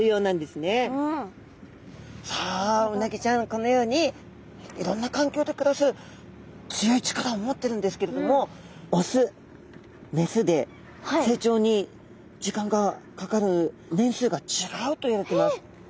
このようにいろんな環境で暮らす強い力を持ってるんですけれども雄雌で成長に時間がかかる年数が違うといわれてます。